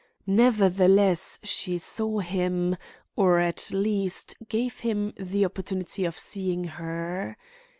Nevertheless she saw him, or at least gave him the opportunity of seeing her.